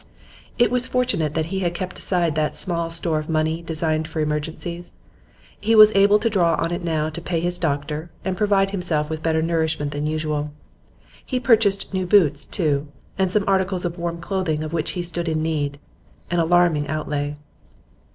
It was fortunate that he had kept aside that small store of money designed for emergencies; he was able to draw on it now to pay his doctor, and provide himself with better nourishment than usual. He purchased new boots, too, and some articles of warm clothing of which he stood in need an alarming outlay.